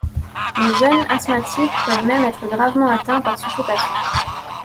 Les jeunes asthmatiques peuvent même être gravement atteints par suffocation.